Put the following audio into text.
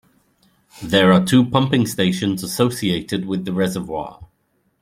There are two pumping stations associated with the reservoir.